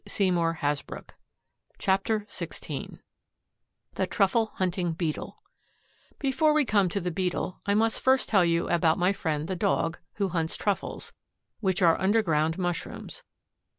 CHAPTER XVI THE TRUFFLE HUNTING BEETLE Before we come to the Beetle, I must first tell you about my friend, the Dog, who hunts truffles, which are underground mushrooms.